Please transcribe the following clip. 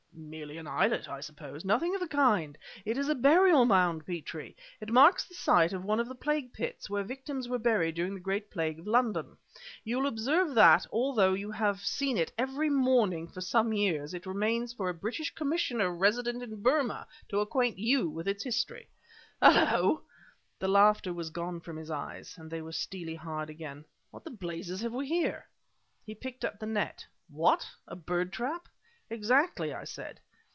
"Merely an islet, I suppose " "Nothing of the kind; it is a burial mound, Petrie! It marks the site of one of the Plague Pits where victims were buried during the Great Plague of London. You will observe that, although you have seen it every morning for some years, it remains for a British Commissioner resident in Burma to acquaint you with its history! Hullo!" the laughter was gone from his eyes, and they were steely hard again "what the blazes have we here!" He picked up the net. "What! a bird trap!" "Exactly!" I said.